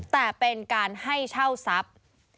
แต่เป็นการให้เช่าทรัพย์